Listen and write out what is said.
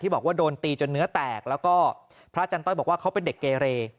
บอกว่าโดนตีจนเนื้อแตกแล้วก็พระอาจารย์ต้อยบอกว่าเขาเป็นเด็กเกเร